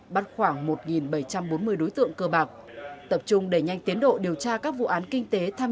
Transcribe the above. bắt khoảng một bảy trăm bốn mươi đối tượng cơ bạc tập trung đẩy nhanh tiến độ điều tra các vụ án kinh tế tham